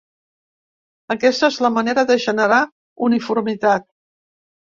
Aquesta és la manera de generar uniformitat.